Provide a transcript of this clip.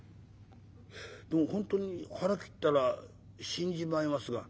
「でも本当に腹切ったら死んじまいますが」。